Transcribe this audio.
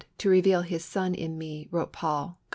to reveal His Son in me," wrote Paul (Gal.